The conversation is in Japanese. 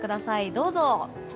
どうぞ。